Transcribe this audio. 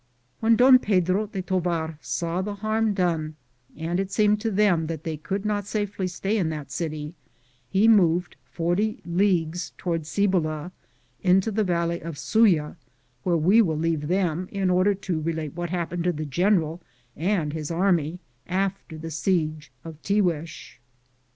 When Don Pedro de Tovar saw the harm done, and as it seemed to them that they could not safely stay in that city, he moved 40 leagues toward Cibola into the valley of Suya, where we will leave them, in order to relate what happened to the general and bis army after the siege of Tiguez.